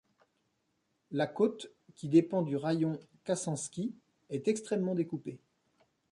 La côte, qui dépend du raïon Khassanski, est extrêmement découpée.